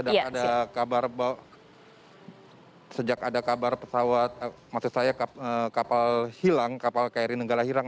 ada kabar bahwa sejak ada kabar pesawat maksud saya kapal hilang kapal kri nenggala hilang